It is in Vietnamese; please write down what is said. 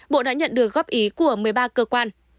bộ đã nhận được góp ý của một mươi ba cơ quan